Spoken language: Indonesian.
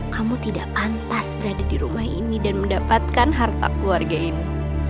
kamu tidak pantas berada di rumah ini dan mendapatkan harta keluarga ini